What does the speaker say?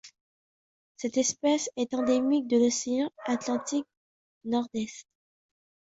Cette espèce est endémique de l'océan Atlantique Nord-Est.